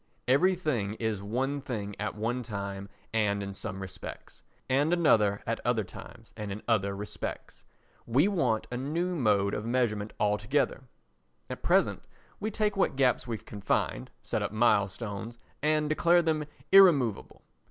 Everything is one thing at one time and in some respects, and another at other times and in other respects. We want a new mode of measurement altogether; at present we take what gaps we can find, set up milestones, and declare them irremovable.